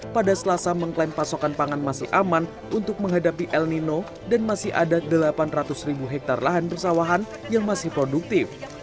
pada selasa mengklaim pasokan pangan masih aman untuk menghadapi el nino dan masih ada delapan ratus ribu hektare lahan persawahan yang masih produktif